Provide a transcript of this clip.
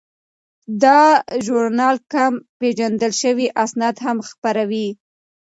دا ژورنال کم پیژندل شوي اسناد هم خپروي.